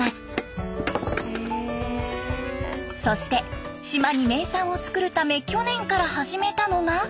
そして島に名産を作るため去年から始めたのが。